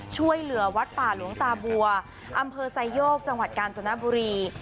ช่วยเหลือวัดป่าหลวงตาบัวอำเภอไซโยกจังหวัดกาญจนบุรี